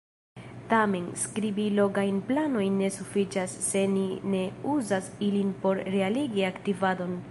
Tamen, skribi longajn planojn ne sufiĉas se ni ne uzas ilin por realigi aktivadon.